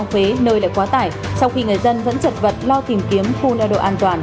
phế nơi lại quá tải trong khi người dân vẫn chật vật lo tìm kiếm khu nơi đậu an toàn